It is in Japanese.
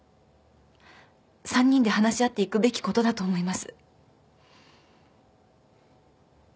３人で話し合っていくべきことだと思います。